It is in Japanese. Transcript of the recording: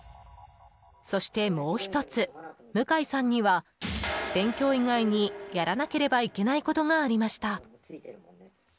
そしてもう１つ向井さんには勉強以外に、やらなければいけないことがありました。